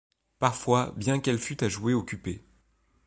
Parfois, bien qu'elle fût à jouer occupée